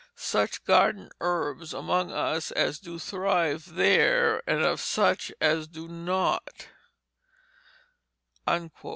Such Garden Herbs among us as do thrive there and of such as do not."